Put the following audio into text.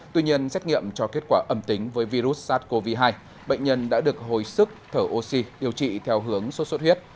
tuy nhiên xét nghiệm cho kết quả âm tính với virus sars cov hai bệnh nhân đã được hồi sức thở oxy điều trị theo hướng sốt xuất huyết